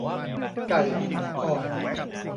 ไก่อ่อน